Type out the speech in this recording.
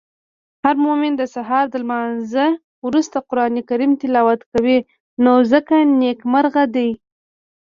هرمومن د سهار د لمانځه وروسته د قرانکریم تلاوت کوی نو ځکه نیکمرغه دی.